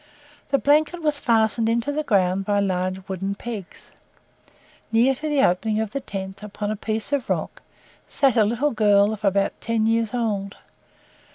The blanket was fastened into the ground by large wooden pegs. Near to the opening of the tent, upon a piece of rock, sat a little girl of about ten years old.